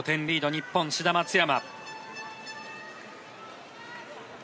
日本、志田・松山。